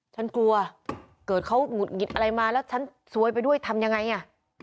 ฉันกลัวเกิดเขาหงุดหงิดอะไรมาแล้วฉันซวยไปด้วยทำยังไงอ่ะ